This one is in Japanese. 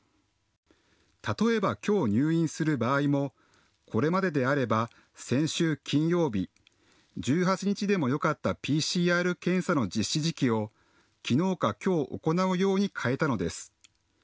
例えば、きょう入院する場合もこれまでであれば先週金曜日、１８日でもよかったＰＣＲ検査の実施時期をきのうかきょう行うように変えたのです。